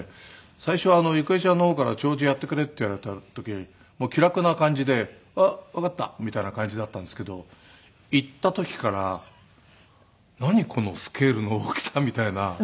最初は郁恵ちゃんの方から弔辞やってくれって言われた時気楽な感じで「わかった」みたいな感じだったんですけど行った時から「何？このスケールの大きさ」みたいな。